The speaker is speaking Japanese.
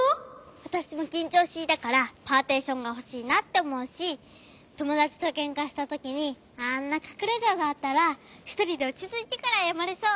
わたしもきんちょうしいだからパーティションがほしいなっておもうしともだちとけんかしたときにあんなかくれががあったらひとりでおちついてからあやまれそう。